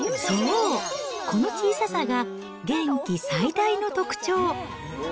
そう、この小ささが、げんき最大の特徴。